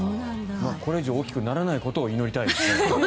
これ以上大きくならないことを祈りたいですね。